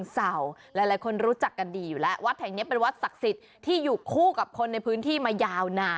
สวัสดีค่ะ